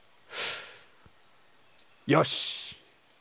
よし！